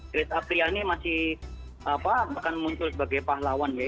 great apriani masih apa akan muncul sebagai pahlawan ya